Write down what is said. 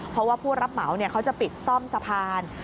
เพราะว่าผู้รับเหมาเขาจะปิดซ่อมสะพาน